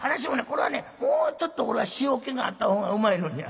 これはねもうちょっと塩っ気があった方がうまいのに」。